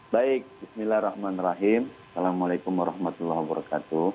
baik bismillahirrahmanirrahim assalamualaikum warahmatullahi wabarakatuh